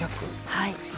はい。